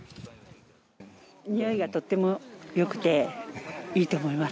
においがとってもよくていいと思います。